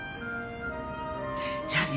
じゃあね。